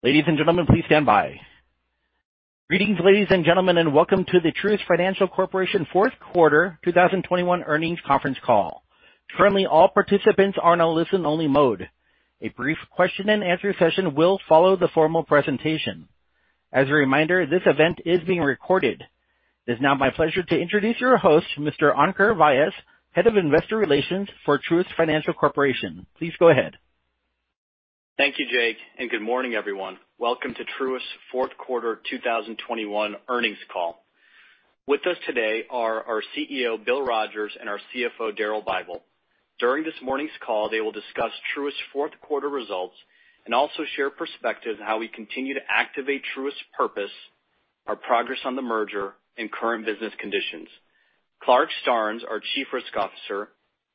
Greetings, ladies and gentlemen, and welcome to the Truist Financial Corporation fourth quarter 2021 earnings conference call. Currently, all participants are in a listen-only mode. A brief question-and-answer session will follow the formal presentation. As a reminder, this event is being recorded. It is now my pleasure to introduce your host, Mr. Ankur Vyas, Head of Investor Relations for Truist Financial Corporation. Please go ahead. Thank you, Jake, and good morning, everyone. Welcome to Truist's fourth quarter 2021 earnings call. With us today are our CEO, Bill Rogers, and our CFO, Daryl Bible. During this morning's call, they will discuss Truist's fourth quarter results and also share perspective on how we continue to activate Truist's purpose, our progress on the merger, and current business conditions. Clarke Starnes, our Chief Risk Officer,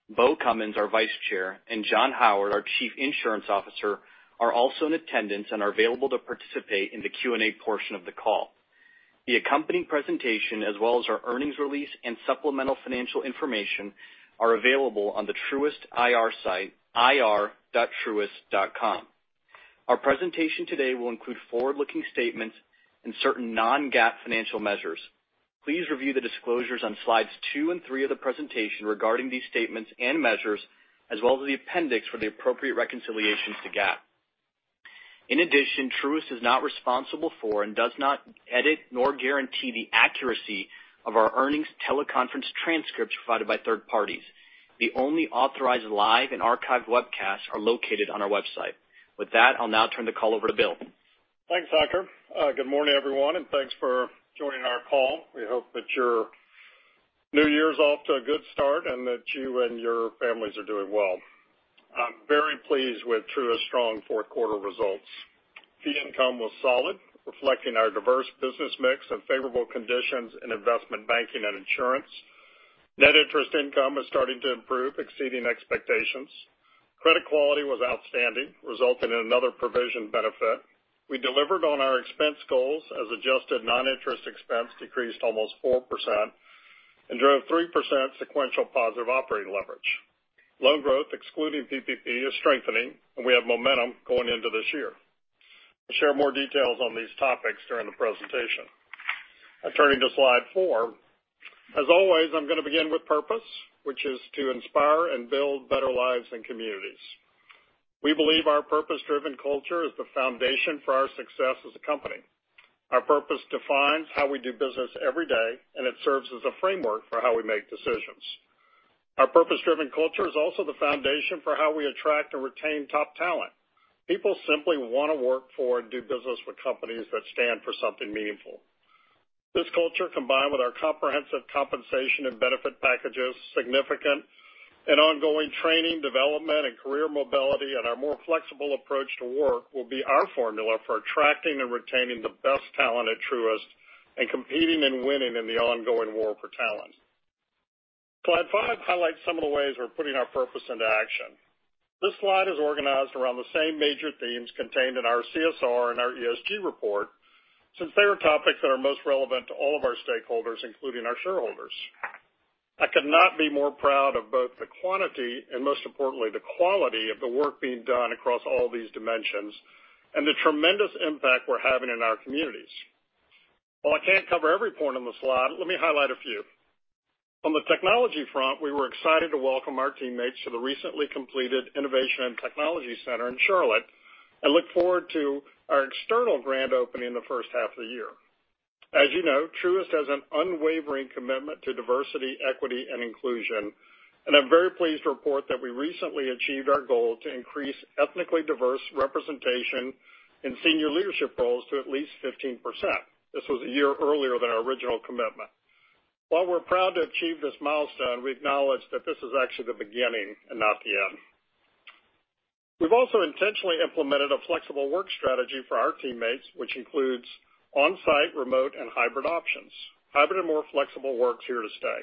Beau Cummins, our Vice Chair, and John Howard, our Chief Insurance Officer, are also in attendance and are available to participate in the Q&A portion of the call. The accompanying presentation, as well as our earnings release and supplemental financial information, are available on the Truist IR site, ir.truist.com. Our presentation today will include forward-looking statements and certain non-GAAP financial measures. Please review the disclosures on slides two and three of the presentation regarding these statements and measures, as well as the appendix for the appropriate reconciliations to GAAP. In addition, Truist is not responsible for and does not edit nor guarantee the accuracy of our earnings teleconference transcripts provided by third parties. The only authorized live and archived webcasts are located on our website. With that, I'll now turn the call over to Bill. Thanks, Ankur. Good morning, everyone, and thanks for joining our call. We hope that your New Year's off to a good start and that you and your families are doing well. I'm very pleased with Truist's strong fourth quarter results. Fee income was solid, reflecting our diverse business mix and favorable conditions in investment banking and insurance. Net interest income is starting to improve, exceeding expectations. Credit quality was outstanding, resulting in another provision benefit. We delivered on our expense goals as adjusted non-interest expense decreased almost 4% and drove 3% sequential positive operating leverage. Loan growth, excluding PPP, is strengthening, and we have momentum going into this year. I'll share more details on these topics during the presentation. Turning to slide four. As always, I'm going to begin with purpose, which is to inspire and build better lives and communities. We believe our purpose-driven culture is the foundation for our success as a company. Our purpose defines how we do business every day, and it serves as a framework for how we make decisions. Our purpose-driven culture is also the foundation for how we attract and retain top talent. People simply want to work for and do business with companies that stand for something meaningful. This culture, combined with our comprehensive compensation and benefit packages, significant and ongoing training, development, and career mobility, and our more flexible approach to work will be our formula for attracting and retaining the best talent at Truist and competing and winning in the ongoing war for talent. Slide five highlights some of the ways we're putting our purpose into action. This slide is organized around the same major themes contained in our CSR and our ESG report since they are topics that are most relevant to all of our stakeholders, including our shareholders. I could not be more proud of both the quantity and most importantly, the quality of the work being done across all these dimensions and the tremendous impact we're having in our communities. While I can't cover every point on the slide, let me highlight a few. On the technology front, we were excited to welcome our teammates to the recently completed Innovation and Technology Center in Charlotte and look forward to our external grand opening in the first half of the year. As you know, Truist has an unwavering commitment to diversity, equity, and inclusion, and I'm very pleased to report that we recently achieved our goal to increase ethnically diverse representation in senior leadership roles to at least 15%. This was a year earlier than our original commitment. While we're proud to achieve this milestone, we acknowledge that this is actually the beginning and not the end. We've also intentionally implemented a flexible work strategy for our teammates, which includes on-site, remote, and hybrid options. Hybrid and more flexible work's here to stay,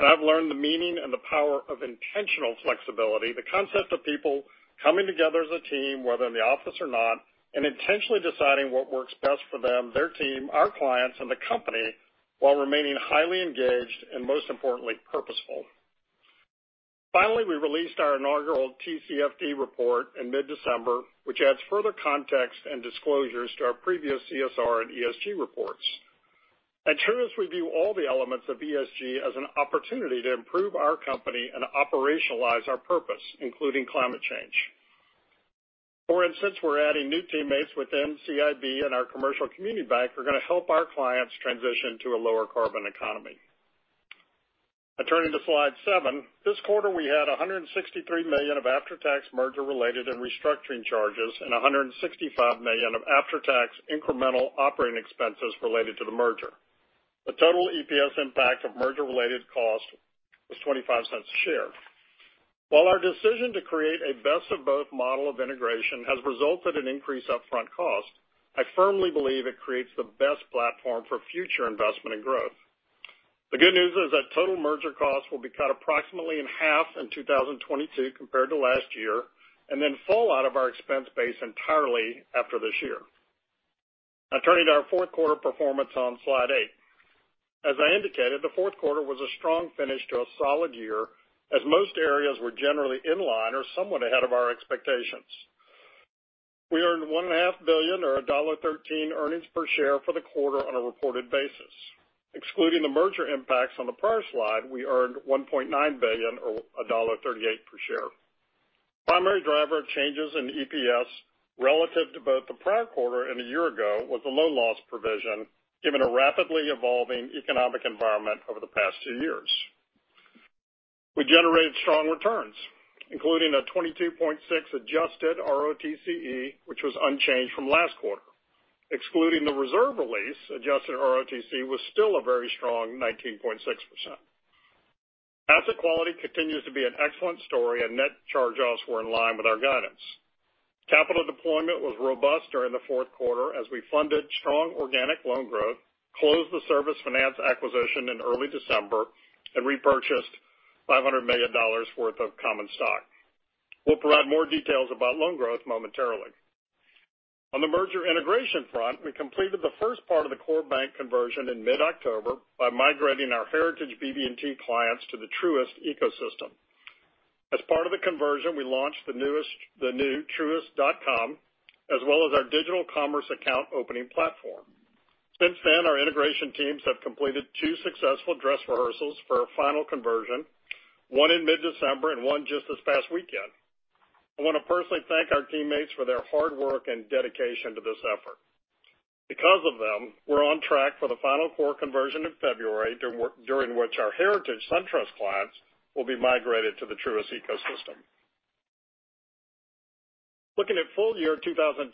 and I've learned the meaning and the power of intentional flexibility, the concept of people coming together as a team, whether in the office or not, and intentionally deciding what works best for them, their team, our clients, and the company, while remaining highly engaged and most importantly, purposeful. Finally, we released our inaugural TCFD report in mid-December, which adds further context and disclosures to our previous CSR and ESG reports. At Truist, we view all the elements of ESG as an opportunity to improve our company and operationalize our purpose, including climate change. For instance, we're adding new teammates within CIB and our commercial community bank who are going to help our clients transition to a lower carbon economy. Now, turning to slide seven. This quarter, we had $163 million of after-tax merger-related and restructuring charges, and $165 million of after-tax incremental operating expenses related to the merger. The total EPS impact of merger-related cost was $0.25 a share. While our decision to create a best-of-both model of integration has resulted in increased upfront cost, I firmly believe it creates the best platform for future investment and growth. The good news is that total merger costs will be cut approximately in half in 2022 compared to last year, and then fall out of our expense base entirely after this year. Now turning to our fourth quarter performance on slide eight. As I indicated, the fourth quarter was a strong finish to a solid year as most areas were generally in line or somewhat ahead of our expectations. We earned $1.5 billion or $1.13 earnings per share for the quarter on a reported basis. Excluding the merger impacts on the prior slide, we earned $1.9 billion or $1.38 per share. Primary driver changes in EPS relative to both the prior quarter and a year ago was the loan loss provision, given a rapidly evolving economic environment over the past two years. We generated strong returns, including a 22.6 adjusted ROTCE, which was unchanged from last quarter. Excluding the reserve release, adjusted ROTCE was still a very strong 19.6%. Asset quality continues to be an excellent story and net charge-offs were in line with our guidance. Capital deployment was robust during the fourth quarter as we funded strong organic loan growth, closed the Service Finance acquisition in early December, and repurchased $500 million worth of common stock. We'll provide more details about loan growth momentarily. On the merger integration front, we completed the first part of the core bank conversion in mid-October by migrating our heritage BB&T clients to the Truist ecosystem. As part of the conversion, we launched the new truist.com, as well as our digital commerce account opening platform. Since then, our integration teams have completed two successful dress rehearsals for a final conversion, one in mid-December and one just this past weekend. I wanna personally thank our teammates for their hard work and dedication to this effort. Because of them, we're on track for the final core conversion in February, during which our heritage SunTrust clients will be migrated to the Truist ecosystem. Looking at full year 2021,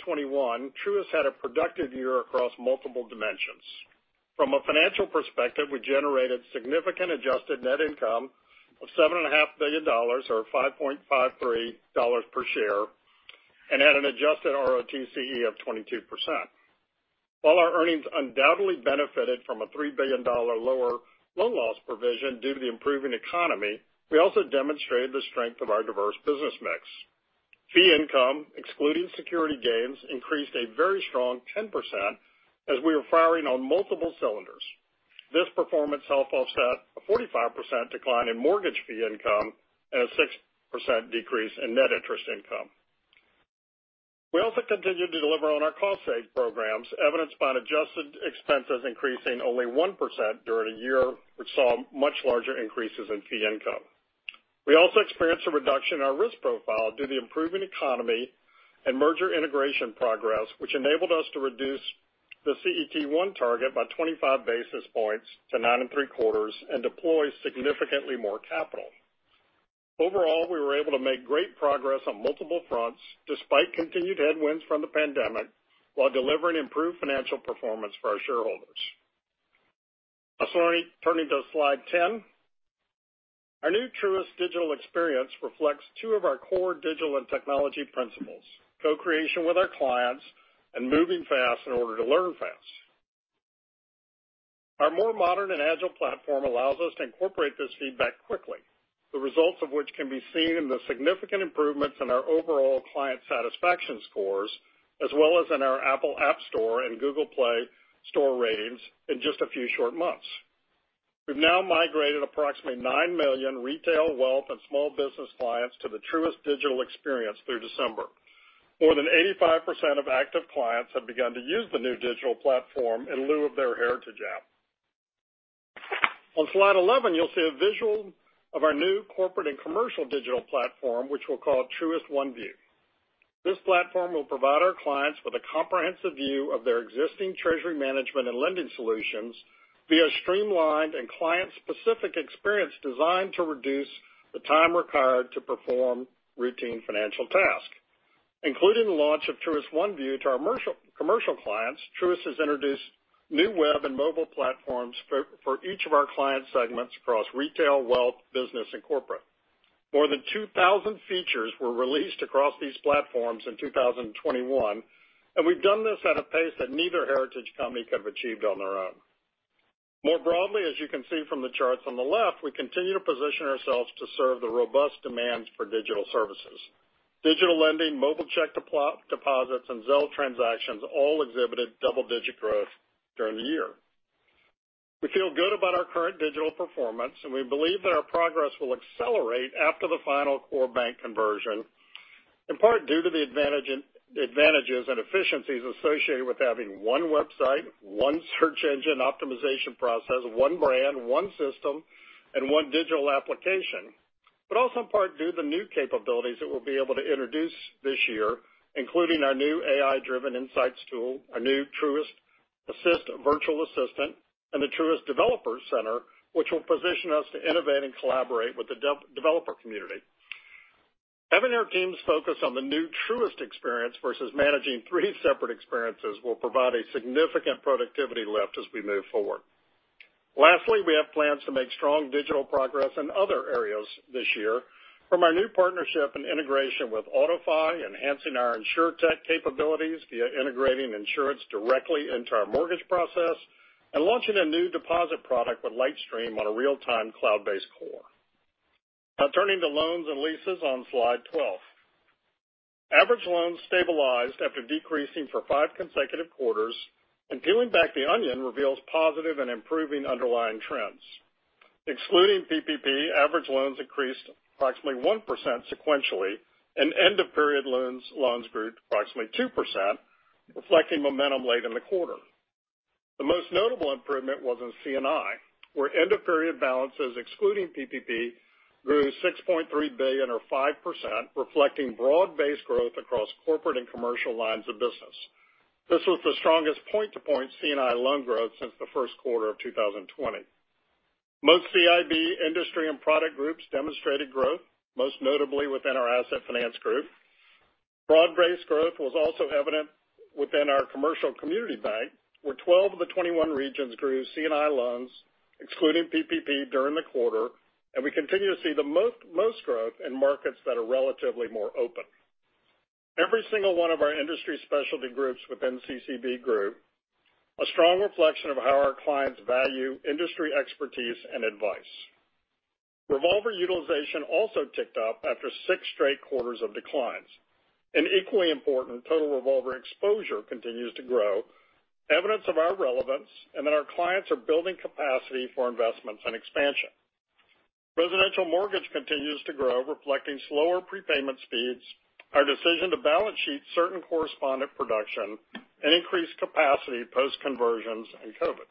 Truist had a productive year across multiple dimensions. From a financial perspective, we generated significant adjusted net income of seven and a half billion dollars or $5.53 per share, and had an adjusted ROTCE of 22%. While our earnings undoubtedly benefited from a $3 billion lower loan loss provision due to the improving economy, we also demonstrated the strength of our diverse business mix. Fee income, excluding security gains, increased a very strong 10% as we were firing on multiple cylinders. This performance helped offset a 45% decline in mortgage fee income and a 6% decrease in net interest income. We also continued to deliver on our cost save programs, evidenced by an adjusted expenses increasing only 1% during a year which saw much larger increases in fee income. We also experienced a reduction in our risk profile due to the improving economy and merger integration progress, which enabled us to reduce the CET1 target by 25 basis points to 9.75, and deploy significantly more capital. Overall, we were able to make great progress on multiple fronts despite continued headwinds from the pandemic, while delivering improved financial performance for our shareholders. Now turning to slide ten. Our new Truist digital experience reflects two of our core digital and technology principles, co-creation with our clients and moving fast in order to learn fast. Our more modern and agile platform allows us to incorporate this feedback quickly, the results of which can be seen in the significant improvements in our overall client satisfaction scores, as well as in our App Store and Google Play store ratings in just a few short months. We've now migrated approximately 9 million retail, wealth, and small business clients to the Truist digital experience through December. More than 85% of active clients have begun to use the new digital platform in lieu of their heritage app. On slide 11, you'll see a visual of our new corporate and commercial digital platform, which we'll call Truist One View. This platform will provide our clients with a comprehensive view of their existing treasury management and lending solutions via streamlined and client-specific experience designed to reduce the time required to perform routine financial tasks. Including the launch of Truist One View to our commercial clients, Truist has introduced new web and mobile platforms for each of our client segments across retail, wealth, business, and corporate. More than 2,000 features were released across these platforms in 2021, and we've done this at a pace that neither heritage company could have achieved on their own. More broadly, as you can see from the charts on the left, we continue to position ourselves to serve the robust demands for digital services. Digital lending, mobile check deposits, and Zelle transactions all exhibited double-digit growth during the year. We feel good about our current digital performance, and we believe that our progress will accelerate after the final core bank conversion, in part due to the advantages and efficiencies associated with having one website, one search engine optimization process, one brand, one system, and one digital application. Also in part due to the new capabilities that we'll be able to introduce this year, including our new AI-driven insights tool, our new Truist Assist virtual assistant, and the Truist Developer Center, which will position us to innovate and collaborate with the developer community. Having our teams focus on the new Truist experience versus managing three separate experiences will provide a significant productivity lift as we move forward. Lastly, we have plans to make strong digital progress in other areas this year from our new partnership and integration with AutoFi, enhancing our insurtech capabilities via integrating insurance directly into our mortgage process, and launching a new deposit product with LightStream on a real-time cloud-based core. Now turning to loans and leases on slide 12. Average loans stabilized after decreasing for five consecutive quarters and peeling back the onion reveals positive and improving underlying trends. Excluding PPP, average loans increased approximately 1% sequentially and end-of-period loans grew approximately 2%, reflecting momentum late in the quarter. The most notable improvement was in C&I, where end-of-period balances excluding PPP grew $6.3 billion or 5%, reflecting broad-based growth across corporate and commercial lines of business. This was the strongest point-to-point C&I loan growth since the first quarter of 2020. Most CIB industry and product groups demonstrated growth, most notably within our asset finance group. Broad-based growth was also evident within our commercial community bank, where 12 of the 21 regions grew C&I loans, excluding PPP during the quarter, and we continue to see the most growth in markets that are relatively more open. Every single one of our industry specialty groups within CCB grew, a strong reflection of how our clients value industry expertise and advice. Revolver utilization also ticked up after six straight quarters of declines. Equally important, total revolver exposure continues to grow, evidence of our relevance and that our clients are building capacity for investments and expansion. Residential mortgage continues to grow, reflecting slower prepayment speeds, our decision to balance sheet certain correspondent production and increased capacity post conversions and COVID.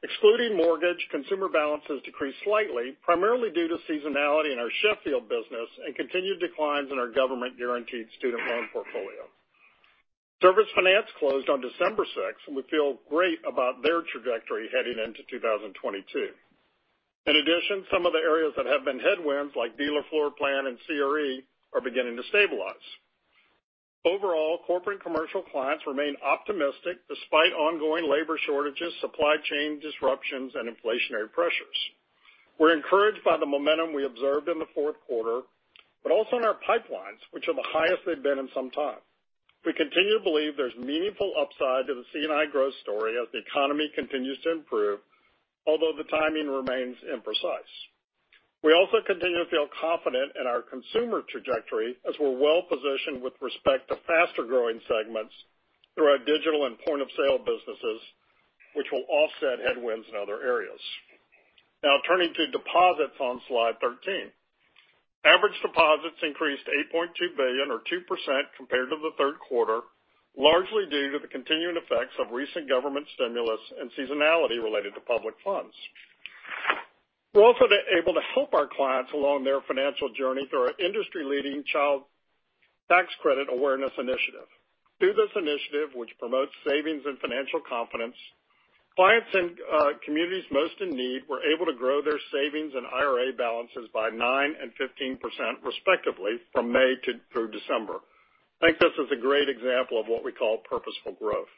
Excluding mortgage, consumer balances decreased slightly, primarily due to seasonality in our Sheffield business and continued declines in our government guaranteed student loan portfolio. Service Finance closed on December 6, and we feel great about their trajectory heading into 2022. In addition, some of the areas that have been headwinds, like dealer floor plan and CRE, are beginning to stabilize. Overall, corporate and commercial clients remain optimistic despite ongoing labor shortages, supply chain disruptions and inflationary pressures. We're encouraged by the momentum we observed in the fourth quarter, but also in our pipelines, which are the highest they've been in some time. We continue to believe there's meaningful upside to the C&I growth story as the economy continues to improve, although the timing remains imprecise. We also continue to feel confident in our consumer trajectory as we're well positioned with respect to faster growing segments through our digital and point-of-sale businesses, which will offset headwinds in other areas. Now turning to deposits on slide 13. Average deposits increased $8.2 billion or 2% compared to the third quarter, largely due to the continuing effects of recent government stimulus and seasonality related to public funds. We're also able to help our clients along their financial journey through our industry-leading child tax credit awareness initiative. Through this initiative, which promotes savings and financial confidence, clients in communities most in need were able to grow their savings and IRA balances by 9% and 15% respectively from May to December. I think this is a great example of what we call purposeful growth.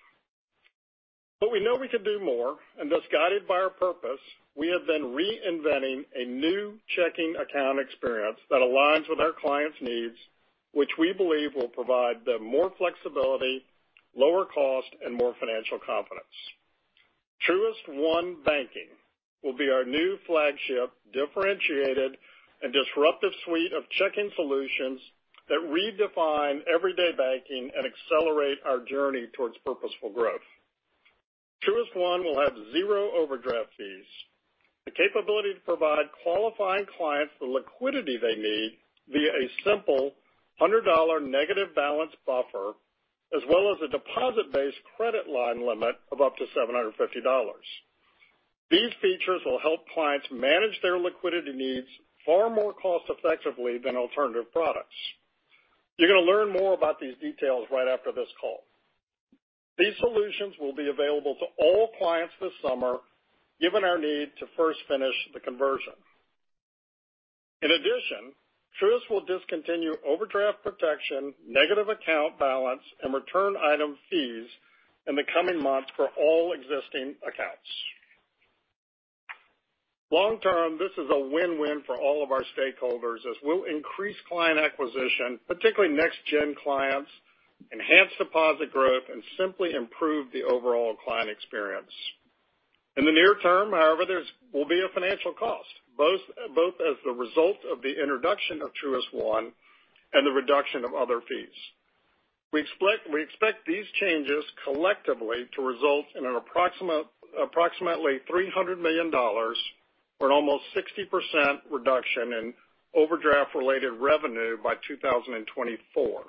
We know we can do more. Thus, guided by our purpose, we have been reinventing a new checking account experience that aligns with our clients' needs, which we believe will provide them more flexibility, lower cost, and more financial confidence. Truist One Banking will be our new flagship, differentiated and disruptive suite of checking solutions that redefine everyday banking and accelerate our journey towards purposeful growth. Truist One will have zero overdraft fees, the capability to provide qualifying clients the liquidity they need via a simple $100 negative balance buffer, as well as a deposit-based credit line limit of up to $750. These features will help clients manage their liquidity needs far more cost effectively than alternative products. You're gonna learn more about these details right after this call. These solutions will be available to all clients this summer, given our need to first finish the conversion. In addition, Truist will discontinue overdraft protection, negative account balance, and return item fees in the coming months for all existing accounts. Long term, this is a win-win for all of our stakeholders as we'll increase client acquisition, particularly next gen clients, enhance deposit growth and simply improve the overall client experience. In the near term, however, there will be a financial cost, both as the result of the introduction of Truist One and the reduction of other fees. We expect these changes collectively to result in approximately $300 million or an almost 60% reduction in overdraft-related revenue by 2024.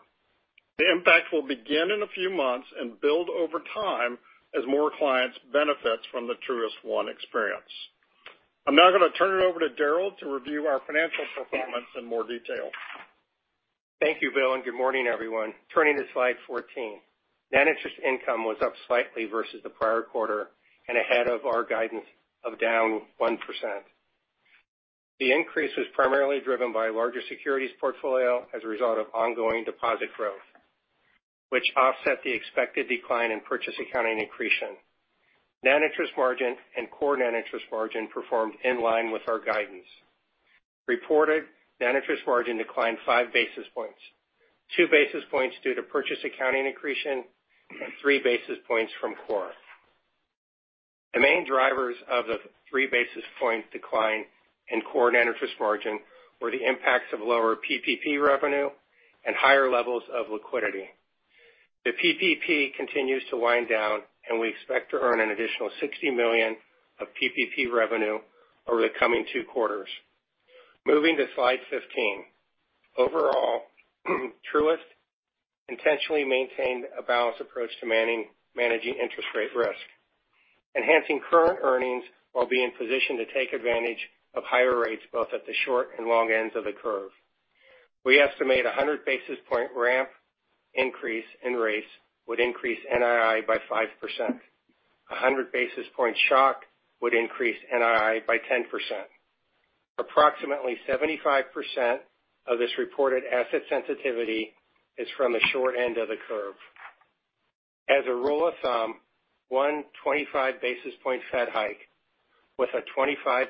The impact will begin in a few months and build over time as more clients benefit from the Truist One experience. I'm now gonna turn it over to Daryl to review our financial performance in more detail. Thank you, Bill, and good morning, everyone. Turning to slide 14. Net interest income was up slightly versus the prior quarter and ahead of our guidance of down 1%. The increase was primarily driven by larger securities portfolio as a result of ongoing deposit growth, which offset the expected decline in purchase accounting accretion. Net interest margin and core net interest margin performed in line with our guidance. Reported net interest margin declined five basis points, two basis points due to purchase accounting accretion and three basis points from core. The main drivers of the three basis point decline in core net interest margin were the impacts of lower PPP revenue and higher levels of liquidity. The PPP continues to wind down, and we expect to earn an additional $60 million of PPP revenue over the coming two quarters. Moving to slide 15. Overall, Truist intentionally maintained a balanced approach to managing interest rate risk, enhancing current earnings while being positioned to take advantage of higher rates both at the short and long ends of the curve. We estimate 100 basis point ramp increase in rates would increase NII by 5%. 100 basis point shock would increase NII by 10%. Approximately 75% of this reported asset sensitivity is from the short end of the curve. As a rule of thumb, 125 basis point Fed hike with a 25%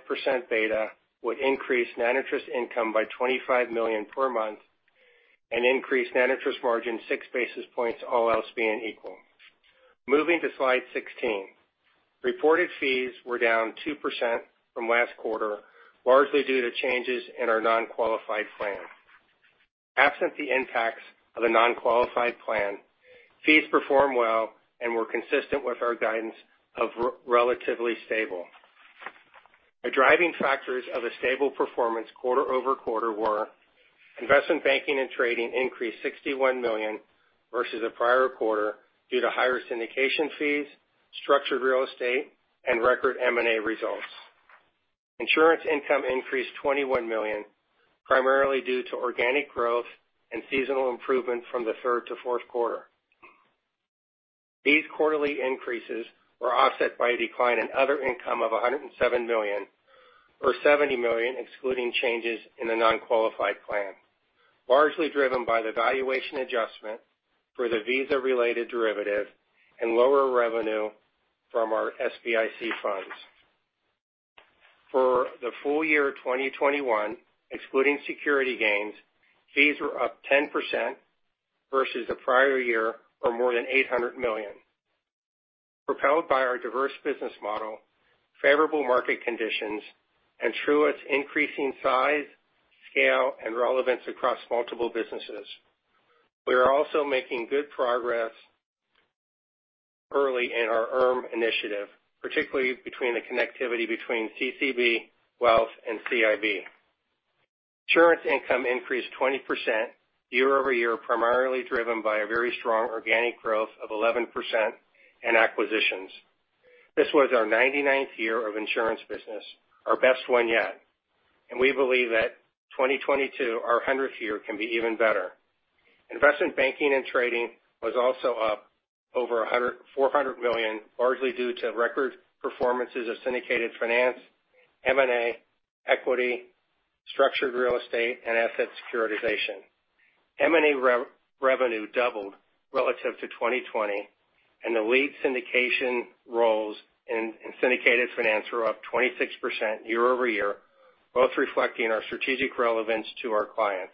beta would increase net interest income by $25 million per month and increase net interest margin 6 basis points, all else being equal. Moving to slide 16. Reported fees were down 2% from last quarter, largely due to changes in our non-qualified plan. Absent the impacts of the non-qualified plan, fees performed well and were consistent with our guidance of relatively stable. The driving factors of a stable performance quarter-over-quarter were investment banking and trading increased $61 million versus the prior quarter due to higher syndication fees, structured real estate and record M&A results. Insurance income increased $21 million, primarily due to organic growth and seasonal improvement from the third to fourth quarter. These quarterly increases were offset by a decline in other income of $107 million, or $70 million excluding changes in the non-qualified plan, largely driven by the valuation adjustment for the Visa-related derivative and lower revenue from our SBIC funds. For the full year 2021, excluding security gains, fees were up 10% versus the prior year, or more than $800 million. Propelled by our diverse business model, favorable market conditions and Truist's increasing size, scale and relevance across multiple businesses. We are also making good progress early in our ERM initiative, particularly between the connectivity between CCB, Wealth and CIB. Insurance income increased 20% year-over-year, primarily driven by a very strong organic growth of 11% and acquisitions. This was our 99th year of insurance business, our best one yet, and we believe that 2022, our 100th year, can be even better. Investment banking and trading was also up over $400 million, largely due to record performances of syndicated finance, M&A, equity, structured real estate, and asset securitization. M&A revenue doubled relative to 2020, and the lead syndication roles in syndicated finance were up 26% year-over-year, both reflecting our strategic relevance to our clients.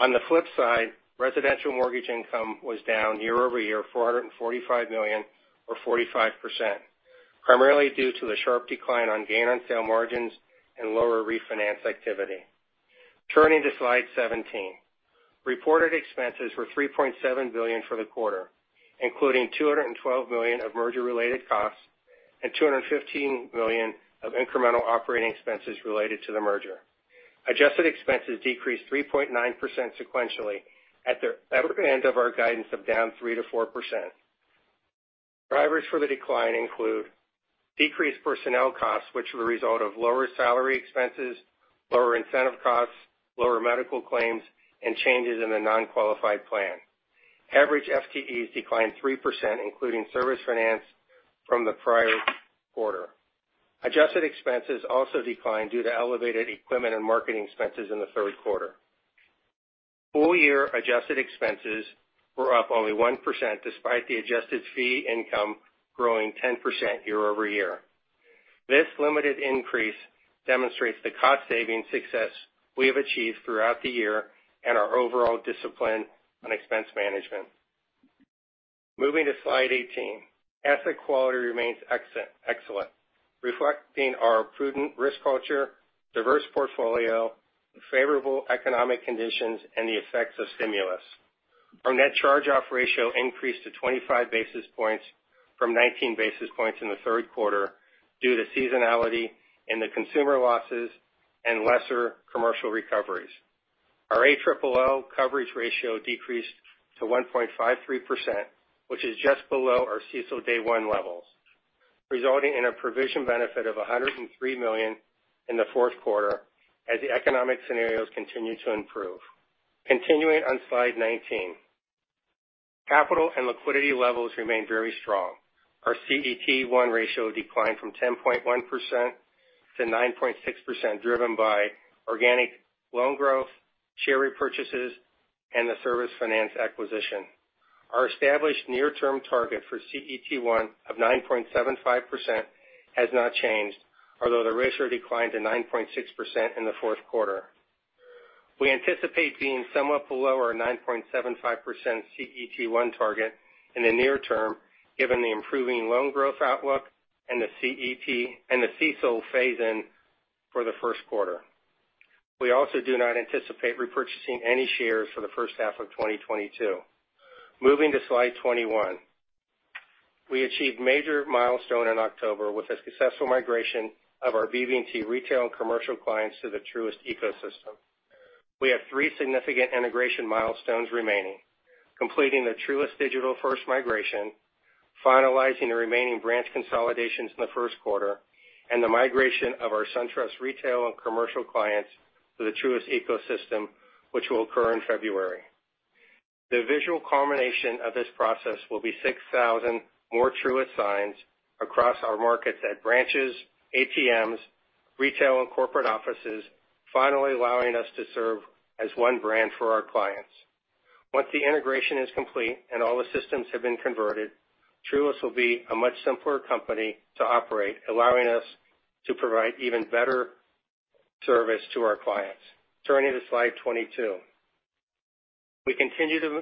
On the flip side, residential mortgage income was down year-over-year $445 million or 45%, primarily due to the sharp decline on gain on sale margins and lower refinance activity. Turning to slide 17. Reported expenses were $3.7 billion for the quarter, including $212 million of merger-related costs and $215 million of incremental operating expenses related to the merger. Adjusted expenses decreased 3.9% sequentially at the upper end of our guidance of down 3%-4%. Drivers for the decline include decreased personnel costs, which were the result of lower salary expenses, lower incentive costs, lower medical claims, and changes in the non-qualified plan. Average FTEs declined 3%, including Service Finance from the prior quarter. Adjusted expenses also declined due to elevated equipment and marketing expenses in the third quarter. Full-year adjusted expenses were up only 1%, despite the adjusted fee income growing 10% year-over-year. This limited increase demonstrates the cost saving success we have achieved throughout the year and our overall discipline on expense management. Moving to slide 18. Asset quality remains excellent, reflecting our prudent risk culture, diverse portfolio, favorable economic conditions and the effects of stimulus. Our net charge-off ratio increased to 25 basis points from 19 basis points in the third quarter due to seasonality in the consumer losses and lesser commercial recoveries. Our ALLL coverage ratio decreased to 1.53%, which is just below our CECL day one levels, resulting in a provision benefit of $103 million in the fourth quarter as the economic scenarios continue to improve. Continuing on slide 19. Capital and liquidity levels remain very strong. Our CET1 ratio declined from 10.1% to 9.6%, driven by organic loan growth, share repurchases and the Service Finance acquisition. Our established near-term target for CET1 of 9.75% has not changed, although the ratio declined to 9.6% in the fourth quarter. We anticipate being somewhat below our 9.75% CET1 target in the near term, given the improving loan growth outlook and the CECL phase-in for the first quarter. We also do not anticipate repurchasing any shares for the first half of 2022. Moving to slide 21. We achieved major milestone in October with the successful migration of our BB&T retail and commercial clients to the Truist ecosystem. We have 3 significant integration milestones remaining, completing the Truist digital first migration, finalizing the remaining branch consolidations in the first quarter, and the migration of our SunTrust retail and commercial clients to the Truist ecosystem, which will occur in February. The visual culmination of this process will be 6,000 more Truist signs across our markets at branches, ATMs, retail and corporate offices, finally allowing us to serve as one brand for our clients. Once the integration is complete and all the systems have been converted, Truist will be a much simpler company to operate, allowing us to provide even better service to our clients. Turning to slide 22. We continue to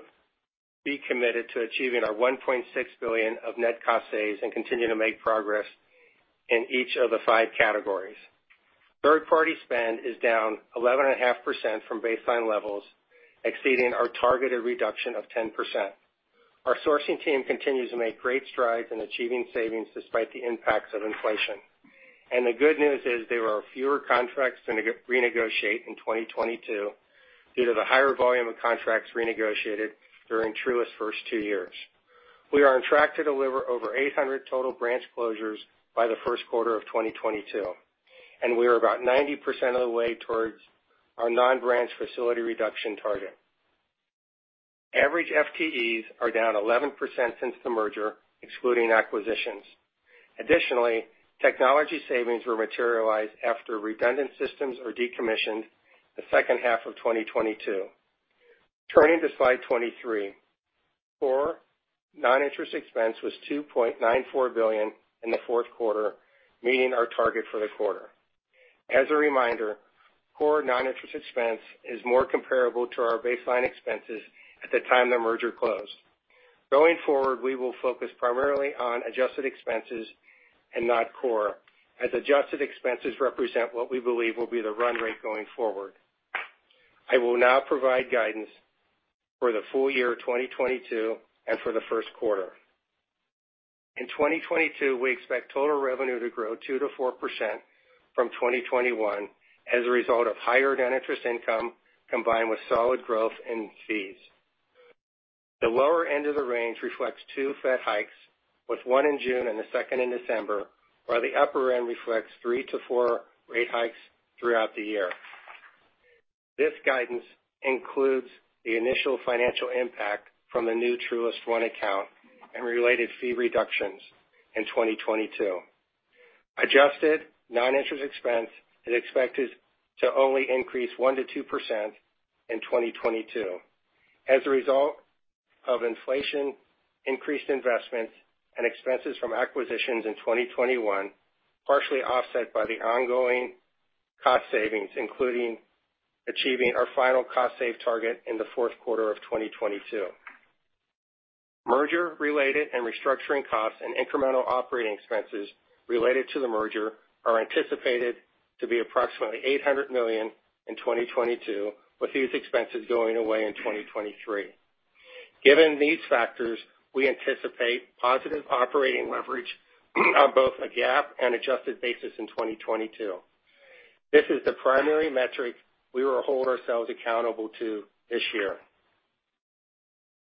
be committed to achieving our $1.6 billion of net cost saves and continue to make progress in each of the five categories. Third-party spend is down 11.5% from baseline levels, exceeding our targeted reduction of 10%. Our sourcing team continues to make great strides in achieving savings despite the impacts of inflation. The good news is there are fewer contracts to renegotiate in 2022 due to the higher volume of contracts renegotiated during Truist first two years. We are on track to deliver over 800 total branch closures by the first quarter of 2022, and we are about 90% of the way towards our non-branch facility reduction target. Average FTEs are down 11% since the merger, excluding acquisitions. Additionally, technology savings will materialize after redundant systems are decommissioned the second half of 2022. Turning to slide 23. Core non-interest expense was $2.94 billion in the fourth quarter, meeting our target for the quarter. As a reminder, core non-interest expense is more comparable to our baseline expenses at the time the merger closed. Going forward, we will focus primarily on adjusted expenses and not core, as adjusted expenses represent what we believe will be the run rate going forward. I will now provide guidance for the full year 2022 and for the first quarter. In 2022, we expect total revenue to grow 2%-4% from 2021 as a result of higher net interest income combined with solid growth in fees. The lower end of the range reflects two Fed hikes, with one in June and the second in December, while the upper end reflects 3-4 rate hikes throughout the year. This guidance includes the initial financial impact from the new Truist One account and related fee reductions in 2022. Adjusted non-interest expense is expected to only increase 1%-2% in 2022 as a result of inflation, increased investments, and expenses from acquisitions in 2021, partially offset by the ongoing cost savings, including achieving our final cost savings target in the fourth quarter of 2022. Merger-related and restructuring costs and incremental operating expenses related to the merger are anticipated to be approximately $800 million in 2022, with these expenses going away in 2023. Given these factors, we anticipate positive operating leverage on both a GAAP and adjusted basis in 2022. This is the primary metric we will hold ourselves accountable to this year.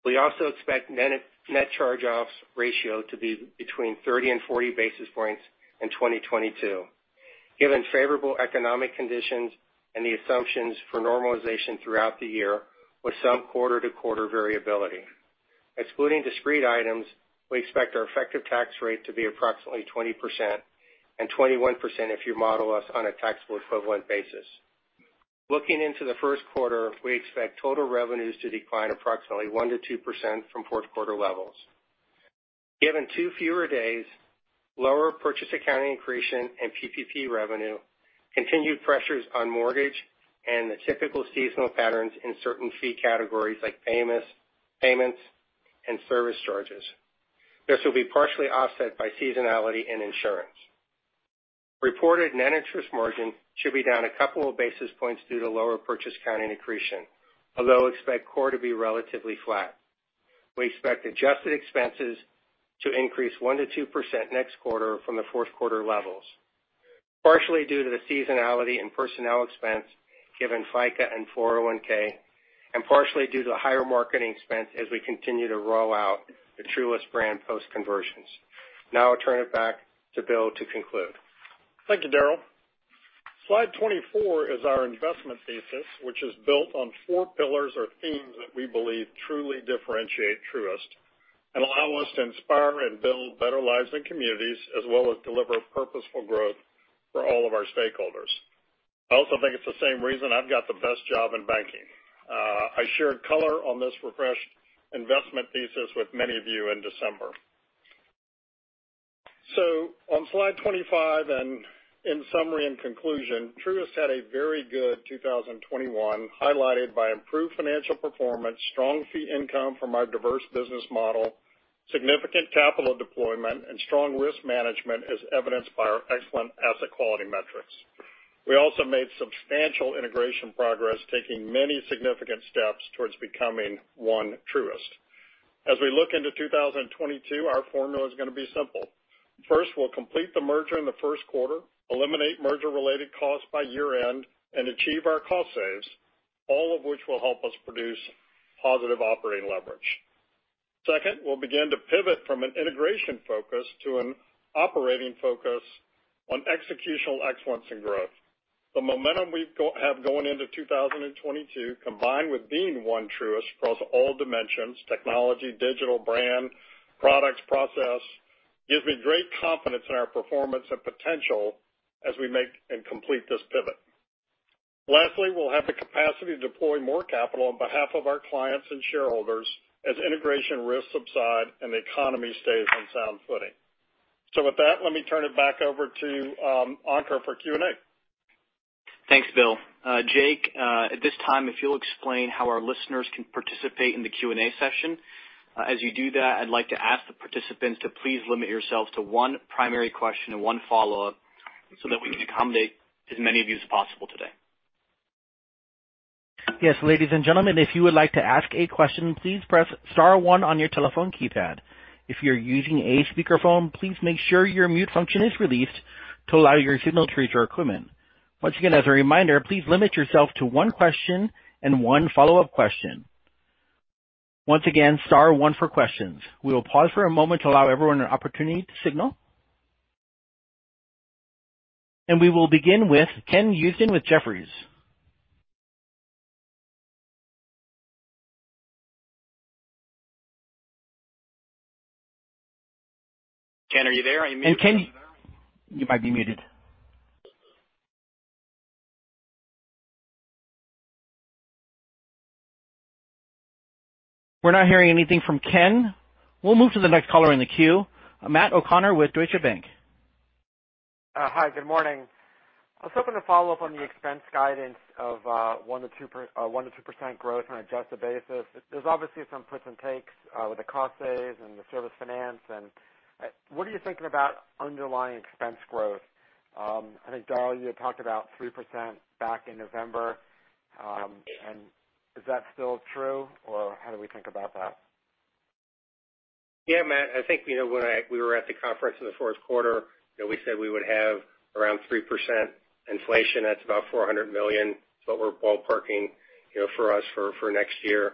We also expect net charge-offs ratio to be between 30 and 40 basis points in 2022, given favorable economic conditions and the assumptions for normalization throughout the year with some quarter-to-quarter variability. Excluding discrete items, we expect our effective tax rate to be approximately 20% and 21% if you model us on a taxable equivalent basis. Looking into the first quarter, we expect total revenues to decline approximately 1%-2% from fourth quarter levels, given two fewer days, lower purchase accounting accretion and PPP revenue, continued pressures on mortgage and the typical seasonal patterns in certain fee categories like payments and service charges. This will be partially offset by seasonality and insurance. Reported net interest margin should be down a couple of basis points due to lower purchase accounting accretion, although expect core to be relatively flat. We expect adjusted expenses to increase 1%-2% next quarter from the fourth quarter levels, partially due to the seasonality and personnel expense given FICA and 401(k), and partially due to higher marketing expense as we continue to roll out the Truist brand post-conversions. Now I'll turn it back to Bill to conclude. Thank you, Daryl. Slide 24 is our investment thesis, which is built on four pillars or themes that we believe truly differentiate Truist and allow us to inspire and build better lives and communities, as well as deliver purposeful growth for all of our stakeholders. I also think it's the same reason I've got the best job in banking. I shared color on this refreshed investment thesis with many of you in December. On slide 25 and in summary and conclusion, Truist had a very good 2021, highlighted by improved financial performance, strong fee income from our diverse business model, significant capital deployment and strong risk management as evidenced by our excellent asset quality metrics. We also made substantial integration progress, taking many significant steps towards becoming one Truist. As we look into 2022, our formula is going to be simple. First, we'll complete the merger in the first quarter, eliminate merger related costs by year-end, and achieve our cost saves, all of which will help us produce positive operating leverage. Second, we'll begin to pivot from an integration focus to an operating focus on executional excellence and growth. The momentum we've have going into 2022, combined with being one Truist across all dimensions, technology, digital brand, products, process, gives me great confidence in our performance and potential as we make and complete this pivot. Lastly, we'll have the capacity to deploy more capital on behalf of our clients and shareholders as integration risks subside and the economy stays on sound footing. With that, let me turn it back over to Ankur for Q&A. Thanks, Bill. Jake, at this time, if you'll explain how our listeners can participate in the Q&A session. As you do that, I'd like to ask the participants to please limit yourselves to one primary question and one follow-up so that we can accommodate as many of you as possible today. Yes, ladies and gentlemen, if you would like to ask a question, please press star one on your telephone keypad. If you're using a speakerphone, please make sure your mute function is released to allow your signal to reach our equipment. Once again, as a reminder, please limit yourself to one question and one follow-up question. Once again, star one for questions. We will pause for a moment to allow everyone an opportunity to signal. We will begin with Ken Usdin with Jefferies. Ken, are you there? Are you muted? Ken, you might be muted. We're not hearing anything from Ken. We'll move to the next caller in the queue. Matt O'Connor with Deutsche Bank. Hi, good morning. I was hoping to follow up on the expense guidance of 1%-2% growth on an adjusted basis. There's obviously some puts and takes with the cost saves and the Service Finance. What are you thinking about underlying expense growth? I think, Daryl, you had talked about 3% back in November. Is that still true, or how do we think about that? Yeah, Matt, I think, you know, when we were at the conference in the fourth quarter, you know, we said we would have around 3% inflation. That's about $400 million. That's what we're ballparking, you know, for us for next year.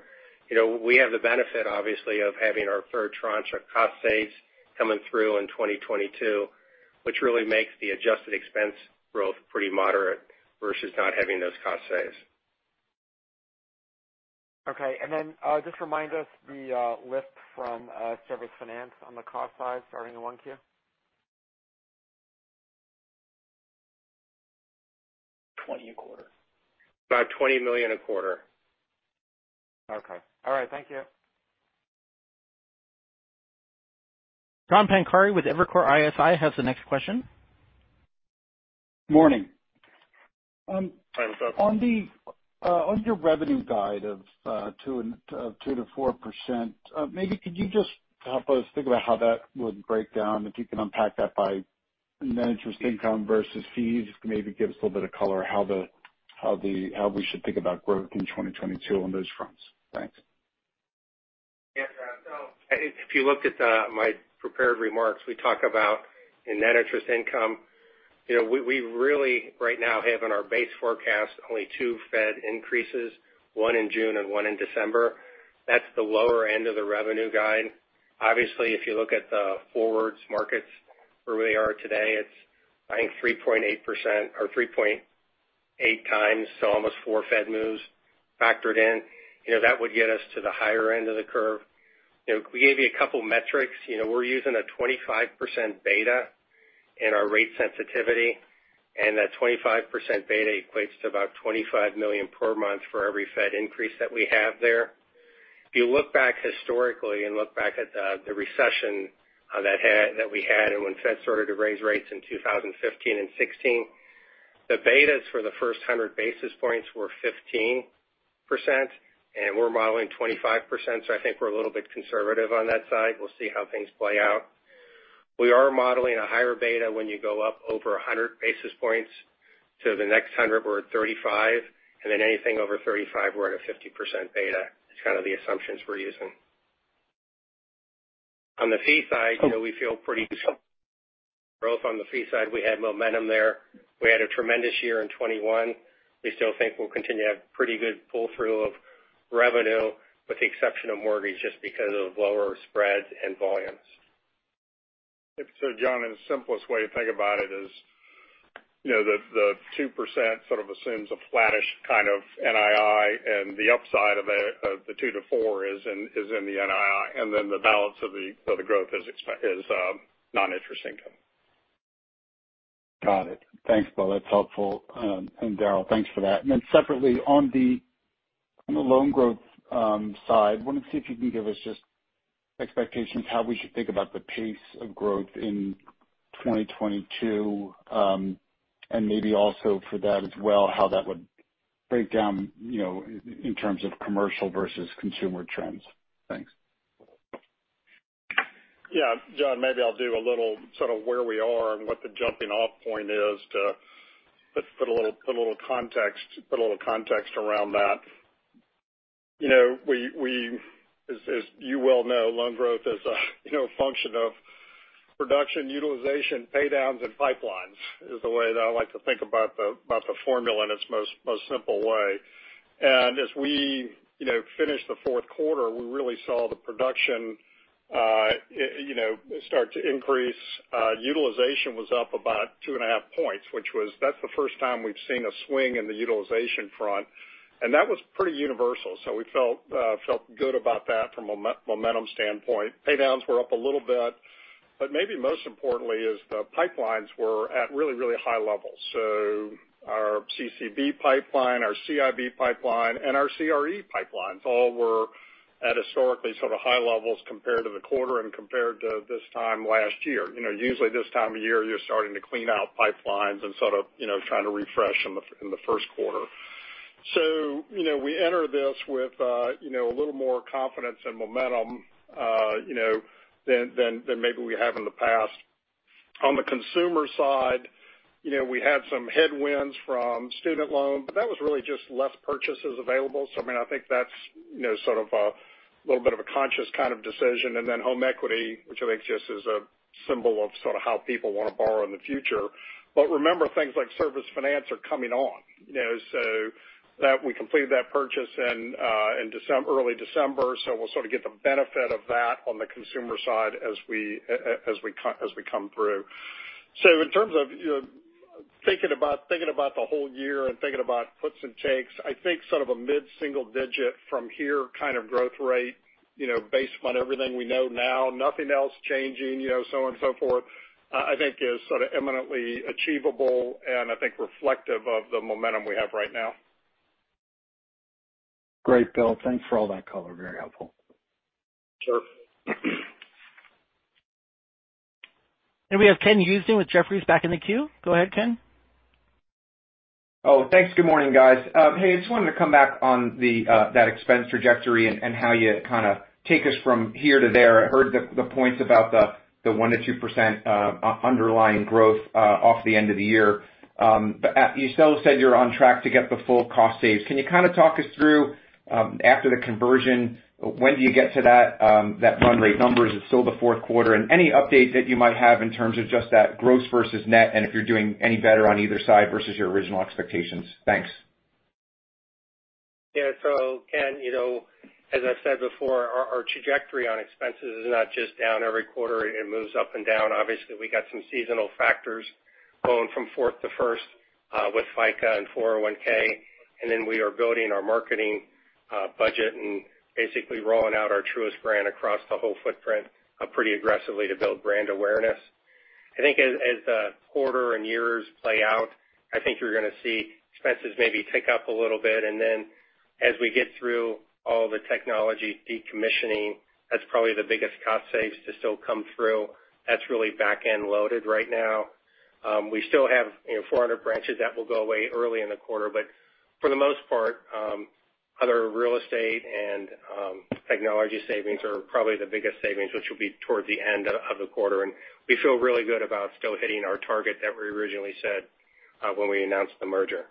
You know, we have the benefit, obviously, of having our third tranche of cost saves coming through in 2022, which really makes the adjusted expense growth pretty moderate versus not having those cost saves. Okay. Just remind us the lift from Service Finance on the cost side starting in Q1. About $20 million a quarter. Okay. All right. Thank you. John Pancari with Evercore ISI has the next question. Morning. Hi, John. On your revenue guide of 2%-4%, maybe could you just help us think about how that would break down, if you can unpack that by net interest income versus fees? Maybe give us a little bit of color how we should think about growth in 2022 on those fronts. Thanks. I think if you look at my prepared remarks, we talk about in net interest income. You know, we really right now have in our base forecast only two Fed increases, one in June and one in December. That's the lower end of the revenue guide. Obviously, if you look at the forward markets where we are today, it's I think 3.8% or 3.8 times, so almost four Fed moves factored in. You know, that would get us to the higher end of the curve. You know, we gave you a couple of metrics. You know, we're using a 25% beta in our rate sensitivity, and that 25% beta equates to about $25 million per month for every Fed increase that we have there. If you look back historically and look back at the recession that we had and when the Fed started to raise rates in 2015 and 2016, the betas for the first 100 basis points were 15% and we're modeling 25%. I think we're a little bit conservative on that side. We'll see how things play out. We are modeling a higher beta when you go up over 100 basis points. The next 100 we're at 35, and then anything over 35, we're at a 50% beta. It's kind of the assumptions we're using. On the fee side, you know, we feel pretty good growth on the fee side. We had momentum there. We had a tremendous year in 2021. We still think we'll continue to have pretty good pull through of revenue with the exception of mortgage, just because of lower spreads and volumes. If so, John, the simplest way to think about it is, you know, the 2% sort of assumes a flattish kind of NII and the upside of the 2%-4% is in the NII. Then the balance of the growth is non-interest income. Got it. Thanks, Bill. That's helpful. Daryl, thanks for that. Separately, on the loan growth side, wanted to see if you can give us just expectations how we should think about the pace of growth in 2022, and maybe also for that as well, how that would break down, you know, in terms of commercial versus consumer trends. Thanks. Yeah, John, maybe I'll do a little sort of where we are and what the jumping off point is to put a little context around that. You know, as you well know, loan growth is a function of production, utilization, pay downs and pipelines is the way that I like to think about the formula in its most simple way. As we finished the fourth quarter, we really saw the production start to increase. Utilization was up about 2.5 points, that's the first time we've seen a swing in the utilization front, and that was pretty universal. We felt good about that from a momentum standpoint. Pay downs were up a little bit, but maybe most importantly is the pipelines were at really, really high levels. Our CCB pipeline, our CIB pipeline, and our CRE pipelines all were at historically sort of high levels compared to the quarter and compared to this time last year. You know, usually this time of year, you're starting to clean out pipelines and sort of, you know, trying to refresh in the first quarter. You know, we enter this with, you know, a little more confidence and momentum, you know, than maybe we have in the past. On the consumer side, you know, we had some headwinds from student loans, but that was really just less purchases available. I mean, I think that's, you know, sort of a little bit of a conscious kind of decision. Then home equity, which I think just is a symbol of sort of how people want to borrow in the future. Remember, things like Service Finance are coming on, you know, so that we completed that purchase in early December. We'll sort of get the benefit of that on the consumer side as we come through. In terms of, you know, thinking about the whole year and thinking about puts and takes, I think sort of a mid-single digit from here kind of growth rate, you know, based on everything we know now, nothing else changing, you know, so on and so forth, I think is sort of imminently achievable and I think reflective of the momentum we have right now. Great, Bill. Thanks for all that color. Very helpful. Sure. We have Ken Usdin with Jefferies back in the queue. Go ahead, Ken. Oh, thanks. Good morning, guys. Hey, I just wanted to come back on that expense trajectory and how you kind of take us from here to there. I heard the points about the 1%-2% underlying growth off the end of the year. You still said you're on track to get the full cost saves. Can you kind of talk us through after the conversion, when do you get to that run rate numbers? Is it still the fourth quarter? Any updates that you might have in terms of just that gross versus net and if you're doing any better on either side versus your original expectations? Thanks. Yeah. Ken, you know, as I said before, our trajectory on expenses is not just down every quarter. It moves up and down. Obviously, we got some seasonal factors going from fourth to first with FICA and 401(k). We are building our marketing budget and basically rolling out our Truist brand across the whole footprint pretty aggressively to build brand awareness. I think as the quarter and years play out, I think you're gonna see expenses maybe tick up a little bit. As we get through all the technology decommissioning, that's probably the biggest cost saves to still come through. That's really back-end loaded right now. We still have, you know, 400 branches that will go away early in the quarter. For the most part, other real estate and technology savings are probably the biggest savings, which will be towards the end of the quarter. We feel really good about still hitting our target that we originally said when we announced the merger.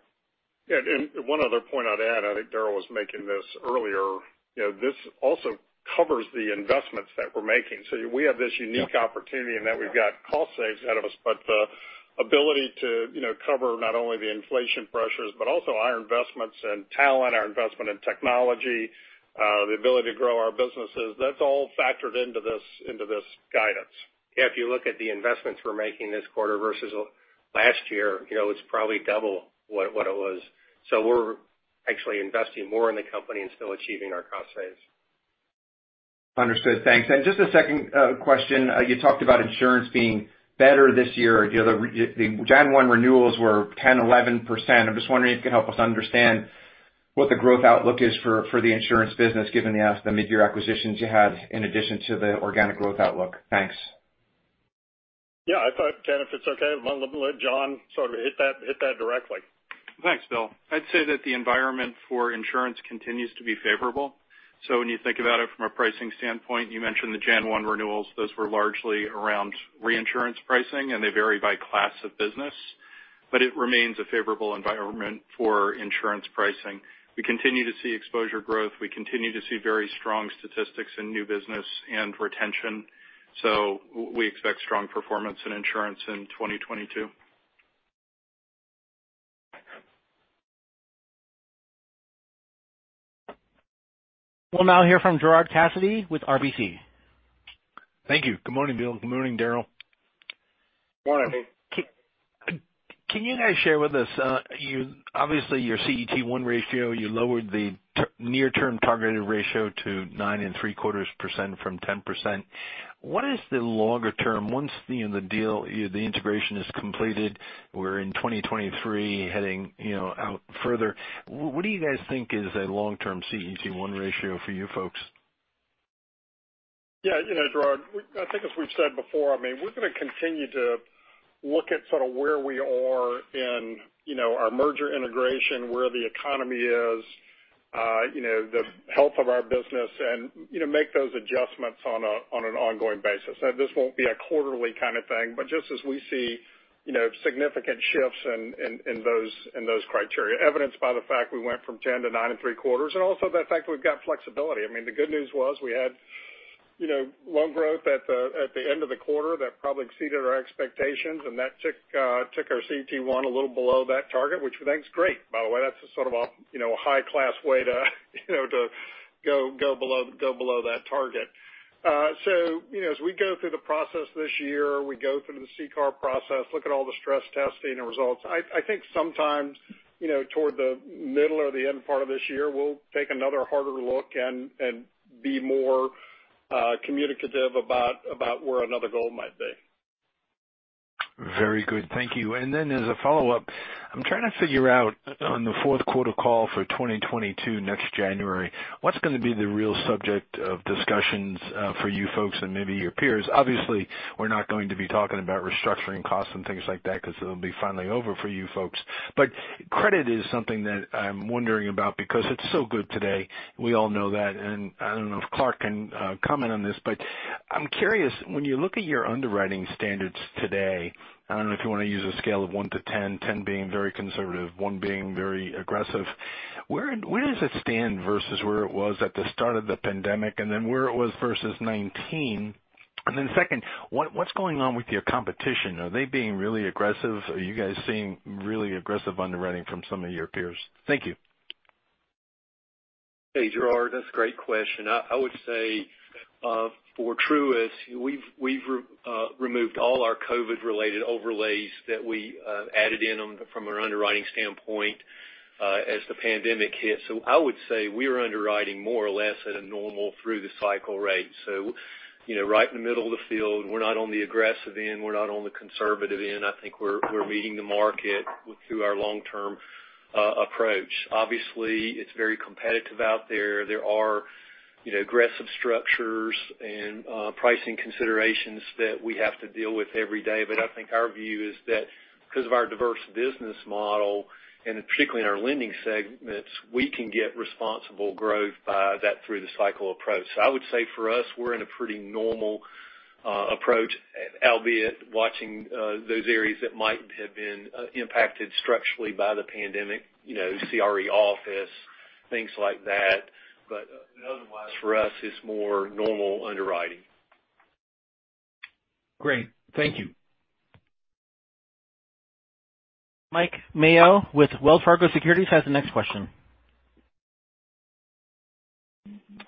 Yeah, one other point I'd add, I think Daryl was making this earlier. You know, this also covers the investments that we're making. We have this unique opportunity in that we've got cost saves ahead of us, but the ability to, you know, cover not only the inflation pressures, but also our investments in talent, our investment in technology, the ability to grow our businesses, that's all factored into this guidance. If you look at the investments we're making this quarter versus last year, you know, it's probably double what it was. We're actually investing more in the company and still achieving our cost saves. Understood. Thanks. Just a second question. You talked about insurance being better this year. The January 1 renewals were 10%-11%. I'm just wondering if you could help us understand what the growth outlook is for the insurance business given the mid-year acquisitions you had in addition to the organic growth outlook. Thanks. Yeah. I thought, Ken, if it's okay, I'm gonna let John sort of hit that directly. Thanks, Bill. I'd say that the environment for insurance continues to be favorable. When you think about it from a pricing standpoint, you mentioned the Jan. 1 renewals. Those were largely around reinsurance pricing, and they vary by class of business, but it remains a favorable environment for insurance pricing. We continue to see exposure growth. We continue to see very strong statistics in new business and retention. We expect strong performance in insurance in 2022. We'll now hear from Gerard Cassidy with RBC. Thank you. Good morning, Bill. Good morning, Daryl. Morning. Can you guys share with us, obviously your CET1 ratio, you lowered the near term targeted ratio to 9.75% from 10%. What is the longer term once the, you know, the deal, you know, the integration is completed, we're in 2023 heading, you know, out further, what do you guys think is a long-term CET1 ratio for you folks? Yeah, you know, Gerard, I think as we've said before, I mean, we're gonna continue to look at sort of where we are in, you know, our merger integration, where the economy is, you know, the health of our business and, you know, make those adjustments on an ongoing basis. Now this won't be a quarterly kind of thing, but just as we see, you know, significant shifts in those criteria, evidenced by the fact we went from 10% to 9.75%, and also the fact we've got flexibility. I mean, the good news was we had, you know, loan growth at the end of the quarter that probably exceeded our expectations, and that took our CET1 a little below that target, which we think is great, by the way. That's a sort of a high class way to you know, to go below that target. You know, as we go through the process this year, we go through the CCAR process, look at all the stress testing and results. I think sometimes, you know, toward the middle or the end part of this year, we'll take another harder look and be more communicative about where another goal might be. Very good. Thank you. Then as a follow-up, I'm trying to figure out on the fourth quarter call for 2022 next January, what's gonna be the real subject of discussions for you folks and maybe your peers? Obviously, we're not going to be talking about restructuring costs and things like that because it'll be finally over for you folks. But credit is something that I'm wondering about because it's so good today. We all know that, and I don't know if Clark can comment on this, but I'm curious, when you look at your underwriting standards today, I don't know if you want to use a scale of 1 to 10 being very conservative, 1 being very aggressive. Where does it stand versus where it was at the start of the pandemic, and then where it was versus 2019? Second, what's going on with your competition? Are they being really aggressive? Are you guys seeing really aggressive underwriting from some of your peers? Thank you. Hey, Gerard, that's a great question. I would say, for Truist, we've removed all our COVID-related overlays that we added in on from an underwriting standpoint, as the pandemic hit. I would say we are underwriting more or less at a normal through the cycle rate. You know, right in the middle of the field, we're not on the aggressive end, we're not on the conservative end. I think we're meeting the market through our long-term approach. Obviously, it's very competitive out there. There are, you know, aggressive structures and pricing considerations that we have to deal with every day. I think our view is that because of our diverse business model, and particularly in our lending segments, we can get responsible growth by that through the cycle approach. I would say for us, we're in a pretty normal approach, albeit watching those areas that might have been impacted structurally by the pandemic, you know, CRE office, things like that. Otherwise, for us, it's more normal underwriting. Great. Thank you. Mike Mayo with Wells Fargo Securities has the next question.